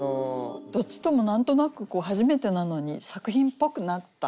どっちとも何となく初めてなのに作品っぽくなった。